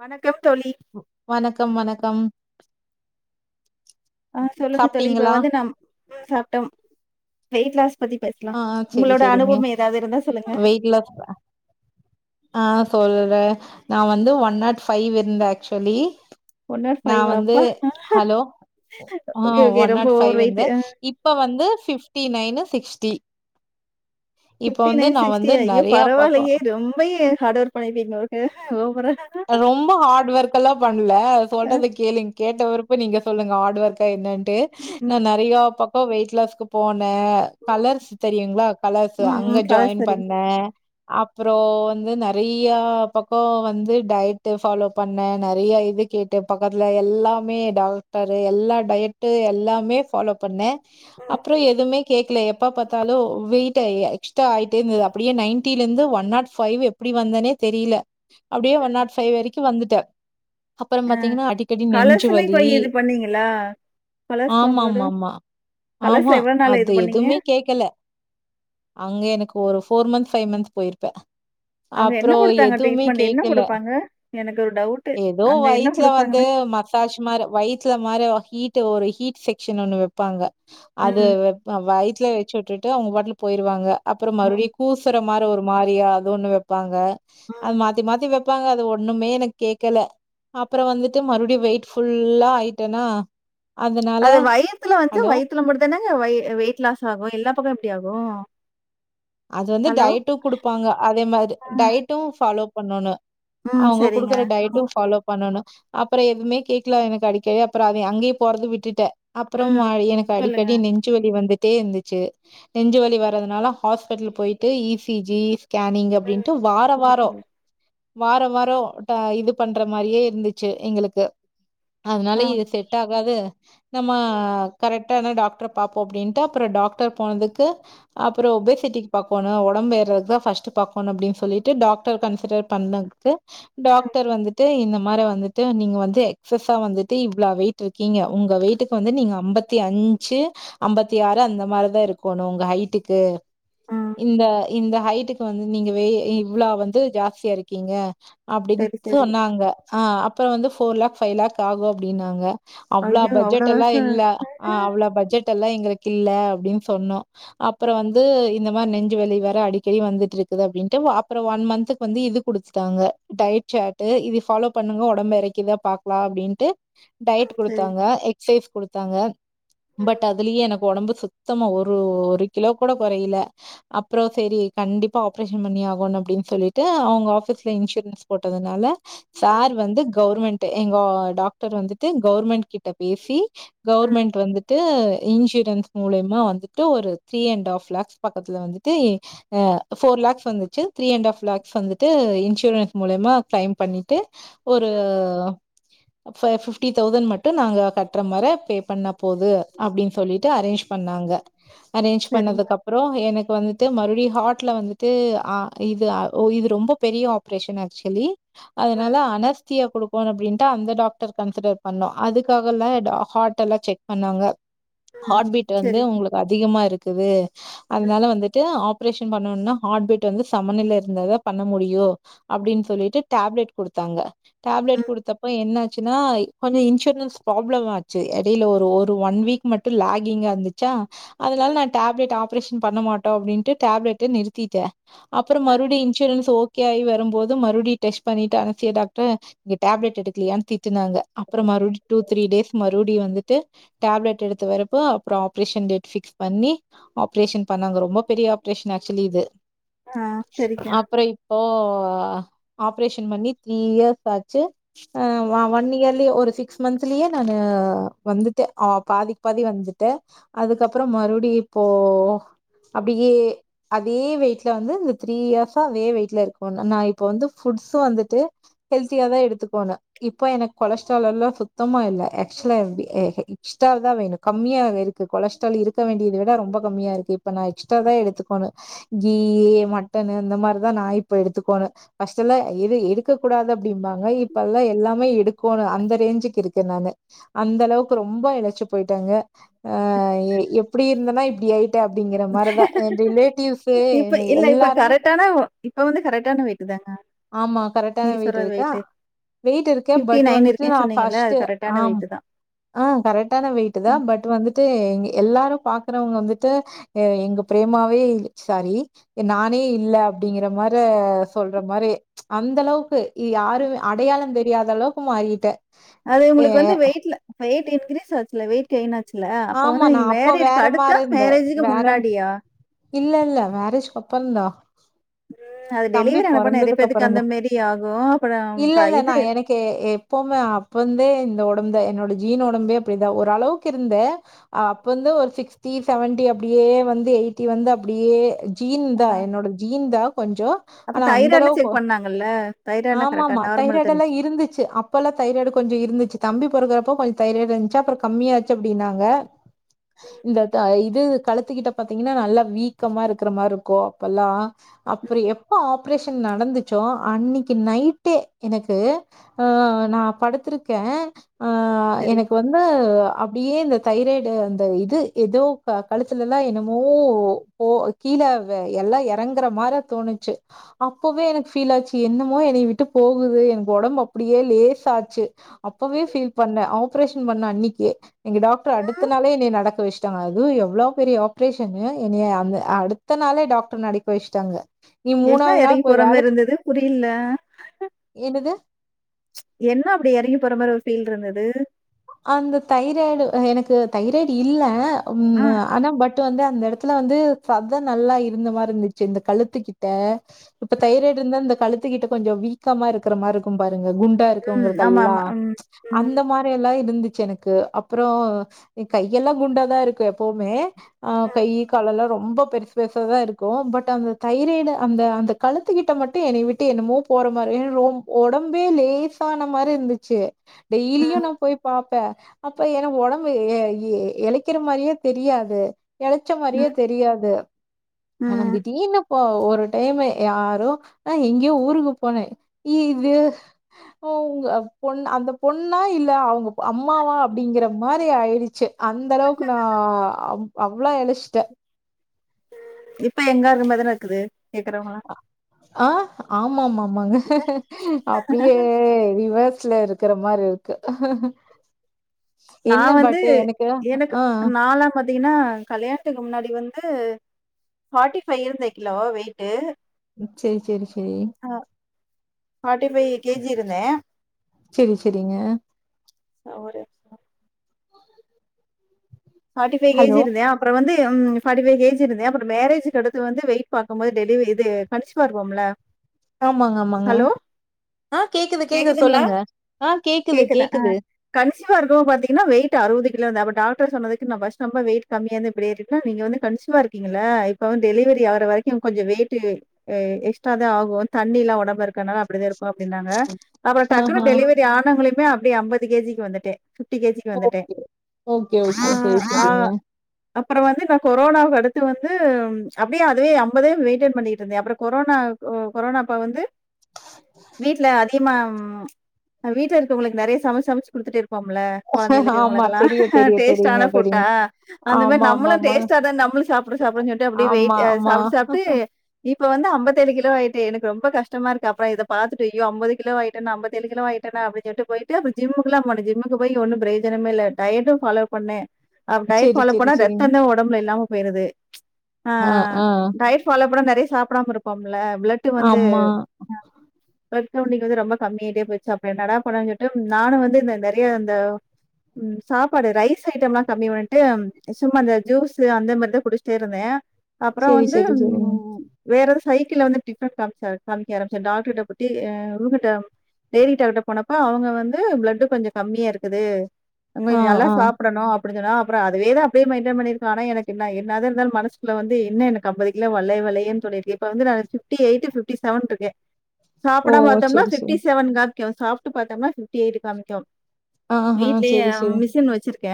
வணக் வணக்கம் வணக்கம். ஆ சொல்லுங்க தோழி இப்ப சாப்ட்டீங்களா வந்து நம் சாப்ட்டோம். வெய்ட்லாஸ் பத்தி பேசலா. ஆ செரி உங்களோட செரிங்க அனுபவம் ஏதாவது இருந்தா சொல்லுங்க. வெயிட் லாஸ் ஆ சொல்றே. நா வந்து ஒன் நாட் ஃபைவ் இருந்தே ஆக்சுவலி. ஒன் நாட் நா ஃபைவ் வந்து அப்பா ஹலோ ஆ ஓகே ஓகே ஒன் ரொம்ப நாட் ஃபைவ் ஓவர் வெயிட் இருந்தே. ஆ இப்ப வந்து fifty nine six D fifty nine sixty யே பக்கோ பரவால்லயே ரொம் பயு ஹார்ட் ஒர்க் பண்ணிருப்பீங்க போலருக்கு ஓ ரொம்ப ஹார்டு ஒர்க் எல்லா பண்ல. ஆ சொல்றத கேளுங் கேட்ட பெறகு இப்ப நீங்க சொல்லுங்க ஹார்டு ஒர்க்கா என்னன்னு ட்டு நா ம் நெறையா பக் கோ வெய்ட்லாஸ்க்கு போ னே கலர்ஸ் தெரியுங்ளா கலர்ஸு ம் ம் அங்க கலர்ஸ் ஜாயின் சரி பண்ணே. அப்புறோ வந்து நெறைய பக்கோ வந்து டயட்டு ஃபாலோ பண்ணே நெறைய இது கேட்டு பக்கத்தில எல்லாமே டாக்டரு எல்லா டயட்டு எல்லாமே ஃபாலோ பண்ணே. அப்றோ எதுமே கேக்கல எப்ப பாத்தாலு வெயிட் எ எக்ஸ்ட்ரா ஆயிட்டே இருந்தது. அப்படியே நைன்ட்டில இருந்து ஒன் நாட் ஃபைவ் எப்பிடி வந்தனே தெரியல. அப்டியே ஒன் நாட் ஃபைவ் வரைக்கு வந்துட்டே. அப்பறம் பாத்தீங்கன்னா அடிக்கடி கலர்ஸ்ல நெஞ்சுவலி இப்ப இது பண்ணீங்களா கலர்ஸ் ஆமா ஆமா போம்போது ஆமா கலர்ஸ்ல ஆமா எவ்வளவு நாள் இது அது பண்ணீங்க எதுவுமே கேக்கல அங்க எனக் ஒரு ஃபோர் மந்த் ஃபைவ் மந்த் போயிருப்பே. அங்க என்ன அப்றோ குடுத்தாங்க எதுவுமே ட்ரீட்மெண்ட் என்ன கேக்கல. குடுப்பாங்க எனக்கு ஒரு டவுட்டு எதோ அங்க என்ன வயித்துல வந்து குடுப்பாங்கன்னு மசாஜ் மார வயித்துல மார ஹீட் டு ஒரு ஹீட் செக்சன் ஒண்ணு வெப்பாங்க. அது ம் வெ ஆ வயித்துல வெச்சு விட்டுட் ட்டு அவங்க பாட்ல போயிருவாங்க அப்புறம் ம் மறுபடியும் கூசுற மாரி ஒரு மாரியா அது ஒண்ணு வைப்பாங்க ம் அது மாத்தி மாத்தி வ பாக்காது அது ஒண்ணுமே எனக்கு கேக்கல அப்புறம் வந்துட்டு மறுபடியும் வெயிட்ஃபுல்லா ஆயிட்டேனா அதனால அது வயித்துல வந்து ஹலோ! வயத்துல மட்டு தாங்க வெயிட் லாஸ் ஆகும் எல்லா பக்கம எப்படி ஆகும் ஓ அது வந்து டயட்டும் குடுப்பாங்க அதே மாதிரி ஆ. டயட்டும் பாலோ பண்ணணும் ம். அவுங்க சரிங்க. குடுக்குற ம். டயட்டும் பாலோ பண்ணணும் அப்பறம் எதுவுமே கேட்கலா எனக்கு அடிக்கடி அப்பறம் அவ அங்கேயே போறது விட்டுட்ட அப்பறம் ம். எனக்கு சொல்லுங்க. அடிக்கடி நெஞ்சுவலி வந்துட்டு வந்துட்டே இருந்துச்சு நெஞ்சுவலி வறதுனால ஹாஸ்பிட்டல் போயி்ட்டு இ. சி. ஜி ஸ்கேனிங் ம். அப்டின்ட்டு வாரம் சரி, வாரம் சரி. வாரம் வாரம் இது பண்ற மாதிரியே இருந்துச்சு எங்களுக்கு அதனால ஆ. இது செட் ஆகாது நம்ம கரெக்ட் டாக்டர் பாப்போம் அப்டின்ட்டு அப்பறம் டாக்டர் போனதுக்கு அப்பறம் பெஸ் ஒபேஸ்சிட்டிக்கு பாக்கணும் உடம்பு எறதுதா பர்ஸ்ட் பாக்கணும் அப்டின்னு சொல்லிட்டு டாக்டர் கன்சிடர் பண்ணட்டு டாக்டர் வந்துட்டு இந்த மாதிரி வந்துட்டு நீங்க வந்து எகஸா வந்துட்டு இவ்வளவு வெயிட் இருக்கீங்க உங்க வெயட்டுக்கு வந்து நீங்க ஐம்பத்தி அஞ்சு ஐம்பத்தி ஆறு அந்த மாதிரிதான் இருக்கணும் உங்க ஹைட்டுக்கு ம். இந்த இந்த ஹைட்டுக்கு வந்து நீங்க இவ்ளவு வந்து ஜாஸ்தியா இருக்கீங்க அப்டின்னு சரி, சரி. சொன்னாங்க ஹ அப்பறம் வந்து போர் லக் பைவ் லக் ஆகும் அப்டினாங்க அவ்ளோ ஐயோ! அவ்வளோ பட்ஜெட் எல்லாம் காசா? இல்ல ஹா ம். அவ்வளோ பட்ஜெட் எல்லாம் எங்களுக்கு இல்ல அப்டின்னு சொன்னோம் அப்பறம் வந்து இது இந்த மாதிரி நெஞ்சு வலி வேற அடிக்கடி வந்துட்டு இருக்குது அப்டின்ட்டு அப்புறம் ஒன் மந்த்துக்கு வந்து இது கொடுத்துட்டாங்க டயட் சாட்டு் இது பாலோ பண்ணுங்க உடம்பு இறக்கிதா பாக்கலாம் அப்டின்ட்டு டயட் சரி. கொடுத்தாங்க எக்சசைஸ் கொடுத்தாங்க பட் அதுலயே எனக்கு உடம்பு சுத்தமா ஒரு ஒரு கிலோ கூட கொறையல அப்பறம் செரி கண்டிப்பா ஆப்ரேஷன் பண்ணி ஆகும் அப்டின்னு சொல்லிட்டு அவுங்க ஆபீஸ்ல இன்சூரன்ஸ் போட்டதுனால சார் வந்து கவர்மெண்ட் எங்க டாக்டர் வந்துட்டு கவர்மெண்ட் கிட்ட பேசி கவர்மெண்ட் வந்துட்டு இன்சூரன்ஸ் மூலியமா வந்துட்டு ஒரு த்ரீ அண்ட் ஆப் லக்ஸ் பக்கத்துல வந்துட்டு போர் லக்ஸ் வந்துச்சு த்ரீ அண்ட் லக்ஸ் இன்சூரன்ஸ் மூலிமா கிளைம் பண்ணிட்டு ஒரு பிப்டீன் தவுஸண் மட்டும் நாங்க கட்ற மாரி பண்ண போது அப்டின்னு சொல்லிட்டு அரேஞ்ச் பண்ணாங்க அரேஞ்ச் சரிங்க. பண்ணதுக்கு அப்பற எனக்கு வந்துட்டு மறுபடிம் ஹார்ட்ல வந்துட்டு அ இது இது ரொம்ப பெரிய ஆப்ரேஷன் ஆக்சுவலி ம். அதனால அனஸ்தியா கொடுக்கும்ணும் அப்படின்ட்டு அந்த டாக்டர் கன்சிடர் பண்ணோம் அதுக்காக எல்லா ஹார்ட் எல்லாம் செக் பண்ணாங்க ஹார்ட் பீட் வந்து சரிங்க. உங்களுக்கு அதிகமா இருக்கு அது அதனால வந்துட்டு ஆப்ரேஷன் பண்ணனும்னா ஹார்ட் பிட் வந்து சம நிலையில இருந்ததா பண்ண முடியும் அப்டின்னு சொல்லிட்டு டேப்லெட் கொடுத்தாங்க டேப்லெட் ம். கொடுத்தப்ப என்ன ஆச்சுனா கொஞ்ச இன்சூரன்ஸ் ப்ராப்ளம் ஆச்சு இடையில ஒரு ஒரு ஒன் வீக் மட்டும் லாகினா இருந்துச்சா அதனால நா டேப்லெட் ஆப்ரேஷன் பண்ணமாட்டோம் அப்படினுட்டு டேப்லெட்டை நிறுத்திட்டேன் அப்புறம் மறுபடியும் இன்சூரன்ஸ் ஓகே குயூராயி வரும்போது மறுபடி டெஸ்ட் பண்ணிட்டு அனஸ்தஸ்சிய டாக்டர் டேப்லெட் எடுக்கலையான்னு திட்டினாங்க அப்புறம் மறுபடி டூ த்ரீ டேஸ் மறுபடி வந்துட்டு டேப்லெட் எடுத்து வரப்ப அப்புறம் ஆப்ரேஷன் டேட் பிக்ஸ் பண்ணி ஆப்ரேஷன் பண்ணாங்க ரொம்ப பெரிய ஆப்ரேஷன் ஆக்சுலி இது ஆ சரிங்க. அப்புறம் இப்போ ஆப்ரேஷன் பண்ணி த்ரீ இயர்ஸ் ஆச்சு அஹ் ஒன் இயர்லயே ஒரு சிக்ஸ் மந்த்ஸ்லயே நான் வந்துட்டேன் பாதிக்கு பாதி வந்துட்டேன் அதுக்கப்புறம் மறுபடியும் இப்போ அப்படியே அதே வெயிட்ல வந்து இந்த த்ரீ இயர்ஸா அதே வெயிட்ல இருக்கேன் நான் இப்போ வந்து ஃபுட்ஸும் வந்துட்டு ஹெல்த்தியா தான் எடுத்துக்குவாங்க இப்போ எனக்கு கொலஸ்ட்ரால் எல்லாம் சுத்தமா இல்லை எக்ஸ்ட்ரா தான் வேணும் கம்மியாக இருக்கு கொலஸ்ட்ரால் இருக்கு வேண்டியது விட கம்மியா இருக்கு இப்ப நான் எக்ஸ்ட்ரா தான் எடுத்துக்கோணும் கீ மட்டன்னு அந்த மாதிரிதான் நான் இப்ப எடுத்துக்கணும் அக்சுவலா எடுக்கக்க கூடாது அப்படிம்பாங்க இப்பெல்லாம் எல்லாமே இருக்கனும் அந்த ரேஞ்சுக்கு இருக்கன் நானு அந்த அளவுக்கு ரொம்ப இழச்சு போயிட்டாங்க ஆஹ எப்படி இருந்த நான் இல்லை ஆஹ் இப்ப என்னை இல்ல இப்ப எல்லாருமே கரெக்டான இப்ப வந்து கரெக்டான வெயிட்டுதாங்க ஆமா கரெக்டான வெயிட் இருக்கேன் வெயிட் இருக்கேன் பட் வந்துட்டு இருக்கேன்னு நான் சொன்னீங்கல்ல, பர்ஸ்ட் அது கரெக்ட்டான ஆம் வெயிட் தான். ஆஹ் கரெக்டான வெயிட் தான் பட் வந்துட்டு எல்லாரும் பாக்குறவங்க வந்துட்டு எங்க பிரேமாவே இல் சாரி நானே இல்ல அப்படிங்குற மாதிரி சொல்ற மாதிரி அந்த அளவுக்கு யாருனு அடையாளம் தெரியாத அளவுக்கு மாறிட்டேன் அது நமக்கு வந்து உங்களுக்கு வந்து வெயிட்ல வெயிட் இன்கிரீஸ் ஆச்சுல வெயிட்ய ஆச்சு இல்ல அப்ப ஆமா வந்து நா நீங்க அப்ப மேரேஜக்கு வேற மாரி அடுத்த இருந்த மேரேஜுக்கு வேற முன்னாடியா இல்ல இல்ல மேரேஜ்க்கு அப்புறந்தா அது தம்பி டெலிவரி ஆனப்ப நெறைய பொறந்ததுக்கு பேத்துக்கு அந்த அப்புறந்தா. மேரி ஆகும். அப்புறம் இல்ல க இல்ல இது நா எனக்கு எப்பவுமே அப்ப இருந்தே இந்த ஒ ந்த என்னோட ஜீன் ஒடம்பே அப்பிடிதா ஓரளவுக்கு இருந்தே ஆ அப்ப இருந்து ஒரு சிக்ஸ்டி செவன்டி அப்டியே வந்து எயிட்டி வந்து அப்டியே அ ஜீன்தா என்னோட ஜீன்தா கொஞ்சோ. அப்ப ஆனா அந்த தைராய்ட்லாம் அளவுக்கு செக் பண்ணாங்கல்ல? தைராய்ட்லாம் கரெக்ட்டா ஆமாமா நார்மல் தைராய்டு எல்லா தெரிஞ்சுச்சு. இருந்துச்சு அப்பல்லா தைராய்டு கொஞ்ச இருந்துச்சு தம்பி பொறக்கறப் போ கொஞ்ச தைராய்டு இருந்துச்சு அப்புறோ கம்மியாச்சு அப்டினாங்க இந்த தா இது கழுத்துக்கிட்ட பாத்தீங்கன்னா நல்லா வீக்கமா இருக்கற மாரி இருக்கு அப்ப எல்லா. அப்றோ எப்ப ஆப்ரேஷன் நடந்துச்சோ அன்னைக்கி நைட்டே எனக்கு ஆ நா படுத்துரு க்கே ஆ சரி. எனக்கு வந்து அப்டியே இந்த தைராய்டு அந்த இது ஏதோ க கழுத்துலல்லா என்னமோ போ கீழ வ எல்லா எறங்குற மார தோணுச்சு. அப்பவே எனக்கு ஃபீல் ஆச்சு என்னமோ என்னய விட்டு போகுது எனக்கு ஒடம்பு அப்பிடியே லேஸ் ஆச்சு. அப்பவே ஃபீல் பண்ணே ஆப்ரேஷன் பண்ண அன்னைக்கே எங்க டாக் டரு அடுத்த நாளே என்னய நடக் க்க வச்சிட்டாங்க அது எவ்ளா பெரிய ஆப்ரேஷனு என்னய அடுத்த நாளே டாக்டர் நடக்க வச்சுட்டாங்க. நீ என்ன நாள் எறங்கி போய் போற வேல மார இருந்தது புரியல என்னது? என்ன அப்டி எறங்கி போற மார ஒரு ஃபீல் இருந்து து அந்த தைராய்டு ஆ எனக்கு தைராய்டு இல்ல அம் ஆ. ஆனா பட் டு வந்து அந்த எடத்துல வந்து சத நல்லா இருந்த மார இருந்துச்சு இந்த கழுத்துக்கிட்ட. இப்ப தைராய்டு இருந்தா இந்த கழுத்துக்கிட்ட கொஞ்சோ வீக்கமா இருக்கற மார இருக்கும் பாருங்க குண் டா ம். இருக்கவங்களுக்கெல்லா ஆமாமா. ம். ம். அந்த மார எல்லா இருந்துச்சு எனக்கு அப்புறோ ஏன் கையெல்லா குண்டாதா இருக்கு எப்பவுமே. ஆ கையி காலெல்லா ரொம்ப பெருசு பெருசாதா இருக்கு. பட் அந்த தைராய்டு அந்த அந்த கழுத்துக்கிட்ட மட்டு என்னைய விட்டு என்னமோ போற மாரயே ரொம் ஒடம்பே லேசான மார இருந்துச்சு. டெய்லியு ம். நா போய் பாப்பே அப்ப ஏன்னா ஒடம்பு எ எ எளைக்கிற மாரியே தெரியாது எளச்ச மாரியே ம். தெரியாது ஆனா ம். திடீர்னு ப்போ ஒரு டைமு யாரோ ஆ எங்கயோ ஊருக்கு போனே. இது அப்போ உங்க பொண் அந்த பொண்ணா இல்ல அவங்க அம்மாவா அப்டிங்கிற மாரி ஆயிடுச்சு அந்த அளவுக்கு நா அம் அவ்ளோ எளச்சிட்ட இப்ப எங்க அது மாதிரிலா இருக்குது கேக்குறவங்கலாம். ஆ ஆமாமா ஆமாங்க அப்டியே ரிவஸ் ல இருக்குற மாரி இருக்கு நா என்ன வந்து பட் எனக்கு எனக்கு ஆ நாளா பாத்தீங்கன்னா கல்யாணத்துக்கு முன்னாடி வந்து ஃபாட்டி ஃபை இருந்த கிலோ வெயிட்டு சேரி சேரி சேரி ஃபாட்டி ஃபை கேஜி இருந்த செரி செரிங்க ஆ ஒரு நிம்ஷோ ஃபாட்டி ஃபை கேஜி ஹலோ இருந்த அப்புறோ வந்து [unintelligible] ஃபாட்டி ஃபை கேஜி இருந்த அப்புறோ மேரேஜ்ஜுக்கு அடுத்து வந்து வெயிட் பாக்கும்போது டெலிவி இது கன்ஷிவா இருக்குவோம்ல ஆமாங்க ஆமாங்க அலோ ஆ கேக்குது கேக்குது கேக்குதுங்களா சொல்லுங்க கேக்குது கன்ஷிவா இருக்கும் போது பாத்தீங்கன்னா வெயிட் அறுவது கிலோ இருந்த அப்போ டாக் டாக்டர் சொன்னது க்கு நா ஃபஸ்ட் ரொம்ப வெயிட் கம்மியா இருந்து இப்டி ஏறிட்டனா நீங்க வந்து கன்ஷிவா இருக்கீங்கள்ல இப்பவு டெலிவரி ஆகுற வரைக்கு கொஞ்சோ வெயிட்டு எக்ஸ்ட்ராதா ஆகு தண்ணிலா ஒடம்புல இருக்கனால அப்டிதா இருக் க்கு அப்டின்னாங்க அப்புறோ டக்குனு ஆஹா டெலிவரி ஆணங்குளிமே அப் அப்டியே ஐம்பது கேஜிக்கு வந்துட்ட பிஃப்டி கேஜிக்கு வந்துட்ட ஓகே ஓகே ஆ ஓகே செரி ஆ செரிங்க அப்புறோ வந்து நா கொரோனாவுக் கடுத் அடுத்து வந்து அப்டியே அதுவே ஐம்பதே மெயின்டெயின் பண்ணிட்டு இருந்த அப்புறோ கொரோனா கொரோனா அப்ப வந்து வீட்ல அதிகமா வீட்ல இருக்கவங்களுக்கு நறையா சமச்சு சமச்சு குடுத்துட்டே இருப் போம்ல கொழந்தைகளுக்கு ஆமா இவங்களுக்கெல்லா தெரியு தெரியு தெரியுங்க டேஸ்ட்டான ஃபுட்டா தெரியு அந்த மாரி ஆமா ஆமா நம்மளு ஆமா டேஸ்ட்டா இருந்தா நம்மளு சாப்புறோ சாப்புறோன் சொல்ட்டு அப்படியே ஆமா வெயிட் ஆ ஆமா. சாப்டு சாப்டு இப்போ வந்து அம்பத்து ஏழு கிலோ ஆய் ஆயிட்டே எனக்கு ரொம்ப கஷ்டமா இருக்கு அப்புறோ இத பாத்துட்டு அய்யோ அம்பது கிலோ ஆயிட்டனா அம்பத்து ஏழு கிலோ ஆயிட்டனா அப்டின் சொல்லிட்டு போயிட்டு அப்பறோ ஜிம்முக்குலா போன ஜிம்முக்கு போய் ஒன்னு பிரியோஜனமே இல்ல டயட்டு ஃபாலோவ் பண்ணே அ டயட் சரி, ஃபாலோ சரி, பண்ணா சரிங்க. ரத்தந்தா ஒடம்புல இல்லாம போயிருது ஆ டயட் ஃபாலோ பண்ணுன் நென் தே சாப்டாம இருப்போம் ல பிளட்டு வந்து ஆமா. அ பிளட் கவுண்டிங் வந்து ரொம்ப கம்மியாயிட்டே போயிருச்சா அப்புறோ என்னடா பண்லான் சொல்லிட்டு நானு வந்து இந்த இந்த நறையா அந்த ம் சாப்பாடு ரைஸ் ரைஸ் ஐட்டம்லா கம்மி பண்ட்டு சும்மா அந்த ஜூஸ்ஸு அந்த மாரிதா குடுச்சுட்டே இருந்த அப்றோ சரி, வந்து சரி, சரிங்க. ம் வேற எத சைக்கிள் வந்து டிஃப்ரண்ட் அ க காமச்சாரு காமிக்க ஆரம்பிச்ச டாக்டர் போ டி அ ருகிட்ட லேடி டாக்டாட்ட போனப்ப அவுங்க வந்து பிளட்டு கொஞ்சோ கம்மியா இருக்குது அங் ஆ, கொஞ் நல்லா ஆ. சாப் டனு அப்பிடின் சொன்னா அப்புறோ அதுவேதா அப்பிடியே மெயின்டைன் பண்ணிருக்கலா ஆனா எனக்கு என்ன என்னதா இருந்தாலு மனசுக்குள்ள வந்து என்ன எனக்கு அம்பதிகிலா வல்லையே வல்லையேன் சொல்லிட்டுருக் இப்ப வந்து நானு ஃபிப்ட்டி எயிட்டு ஃபிப்ட்டி செவன் இருக் ஓ! சாப்டாம பாத்தம்னா சரி, பிஃட்டி சரி. செவன் கா கியோ சாப்புட்டு பாத்தோம்னா ப்ஃட்டி எய்ட் காமிக்கோ ஆஹ் சேரி சேரி கெ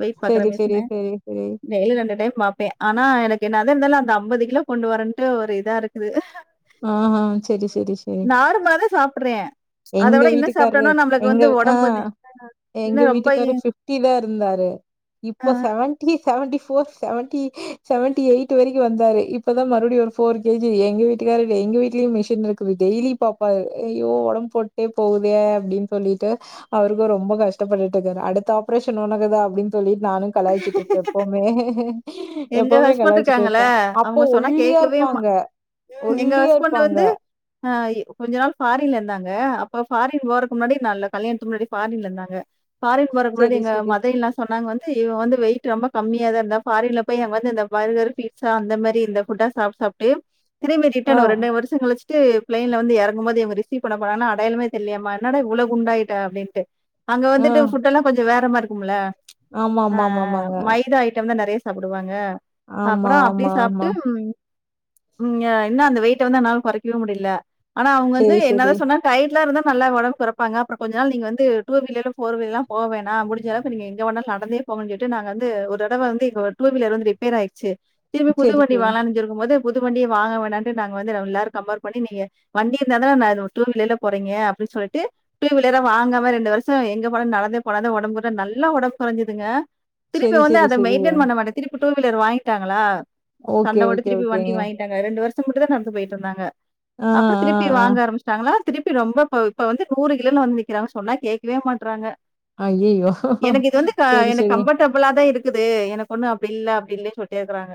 வெய்ட் பாக்கற மிசனு சரி. டெய்லி ரெண்டு டைம் பாப்பே ஆனா எனக்கு என்னதா இருந்தாலு அந்த ஐம்பது கிலோ கொண்டு வரன்ட்டு ஒரு இதா இருக்கு ஆ ஆஹ் சேரி சேரி சேரி நார்மலா [unintelligible] எங்க விட இன்னும் வீட்டுக்காரரு சாப்ட்டோம்னா நம்மளுக்கு எங்க வந்து ஆ உடம்பு வந்து எங்க இன்னும் ரொம்ப எ வீட்டுக்காரரு ஃபிப்டி தா ருந்தாரு அ இப்ப seventy seventy four seventy seventy eight வரைக்கு வந்தாரு இப்பதா மறுபுடியு ஒரு ஃபோர் கேஜி ஏங்க வீட்டுக்காரரு எங்க வீட்லயு மிஷின் இருக்குது டெய்லி பாப்பாரு ஐயோ ஒடம் போட்டே போகுதே அப்பிடின் சொல்லிட்டு அவருக்கோ ரொம்போ கஷ்டப்பட்டுட்டு இருக்காரு அடுத்த ஆப்ரேஷன் உனகுதா அப்பிடின் சொல்லி நானு கலாய்ச்சிட்டு இருப்பே எப்பவுமே எங்க எப்பவுமே ஹஸ்பண்ட் கலாய்ச்சுட்டு இருக்காங்கல்ல, இருப்பே அப்போ அவங்க சொன்னா ஒல்லியா கேட்கவே மா இருப்பாங்க ம் எங்க ஒல்லியா ஹஸ்பண்ட் வந்து இருப்பாங்க ஆ கொஞ்ச நாள் ஃபாரின்ல இருந்தாங்க அப்ப ஃபாரின் போறக்கு முன்னாடி நல்ல கல்யாணத்துக்கு முன்னாடி ஃபாரின்ல இருந்தாங்க ஃபாரின் போறக்கு முன்னாடி சரி எங்க சரி மத இல்லா சொன்னாங்க வந் த் இவ வந்து வெயிட் ரொம்ப கம்மியாதா இருந்தா ஃபாரின்ல போய் அங்க வந்து இந்த பர்கர் பீஸ்ஸா அந்த மாரி இந்த ஃபுட்டா சாப்ட்டு சாப்ட்டு திரும்பி ஆ ரிட்டன் ஒரு ரெண்ட வருஷங் கழிச்சி ட்டு பிளைன்ல வந்து எறங்குபோது இவுங்க ரிசீவ் பண்ண போறாங்கன்னா அடயாளமே தெரியலைம்மா என்னடா இவ்வளா குண்டாயிட்ட அப்பிடின்ட்டு அங்க ஆ வந்துட்டு ஃபுட்டெல்லா கொஞ்சோ வேற மாரிருக் உகுல ஆமா ஆ ஆமா ஆமா ஆமாங்க மைதா ஐட்டம்தா நெறைய சே சாப்டுவாங்க ஆமா அப்புறோ அப்பிடியே ஆமா சாப்பிட்டு ஆமா ம் இன்னு அந்த வெயி ட் வந்து என்னால கொறைக்கவே முடியல ஆனா அவுங்க வந்து சரி என்னதா சரி சொன்னா டயட்ல இருந்த நல்ல ஒடம்பு கொறப்பாங்க அப்புறோ கொஞ்ச நாள் நீங்க வந்து ட்டுவீலர் போர் வீல்லல்லா போவேனா முடிஞ்ச வரைக்கு நீங்க எங்க வேணாலு நடந்தே போவோ சொல்ட்டு நாங்க வந்து ஒரு தடவ வந்து எங்க டூ வீலர் வந்து ரிப்பேர் ஆயிடுச்சு. திருப்பி சரி, புதுவண்டி சரி. வாங்கலான் நென்ச்சு இருக்கும் போது புது வண்டியே வாங்க வேணான்ட்டு நாங்க வந்து எல்லாரு கம்பேர் பண்ணி நீங்க வண்டி இருந்தாதா நா இது டூவீலர்ல போறீங்க அப்டின் சொல்லிட்டு டூவீலரே வாங்காம ரெண்டு வருஷோ எங்க போனாலு நடந்தே போனாதா ஒடம்பு கொறயுனு நல்லா உடம்பு கொறைஞ்சதுங்க. திருப்பி சரி, வந்து சரி, அத சரிங்க. மெயின்டன் பண்ண மாட்ட திரு இப்ப டூவீலர் வாங்கிட்டாங்களா? ஓகே, சண்ட போட்டு ஓகே, திருப்பி வண்டி ஓகேங்க. வாங்கிட்டாங்க. ரெண்டு வரு ஷம் மட்டுந்தா நடந்து போயிட்ருந்தாங்க. ஆ, அப்பற ஆ, திருப்பி ஆ. வாங்க ஆரம்பிச்சிட்டாங்களா திருப்பி ரொம்ப இப்ப இப்ப வந்து நூறு கிலோன்னு வந்து நிக்கிறாங்க. சொன்னா கேக்கவே மாட்றாங்க. ஐயயோ செரி செரி இவ்ளாதா இருக்குது எனக்கு ஒண்ணு அப்டி இல்ல அப்டி இல்லன்னு சொல்ட்டே இருக்கறாங்க.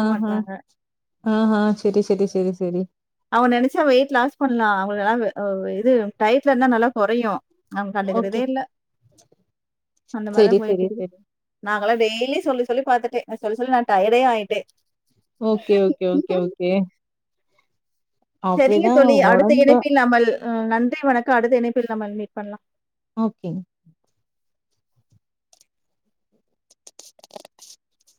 ஆ ஹா ஆ ஹா செரி செரி செரி செரி அவங்க நெனைச்சா வெயிட் லாஸ் பண்லா அவங்க அதாவ்து ஆ இது டயட்ல இருந்தா நல்லா கொறையு. அவங்க கண்டுக்கறதே ஓகே. இல்ல. அந்த மாரிதா சரி, சரி, போயிட்ருக்குது சரி. நா நால்லா டெய்லி சொல்லி சொல்லி பாத்துட்டே. நா சொல்லி சொல்லி நா டயேடே ஆயிட்டே. ஓகே ஓகே ஓகே ஓகே செரிங்க அப்படிதான் தோழி அடுத்த உடம்ப இணைப்பில் நாமள் ஆ நன்றி வணக்கோ அடுத்த இணைப்பில் நம்ம மீட் பண்லா. ஓகேங் [inaudible]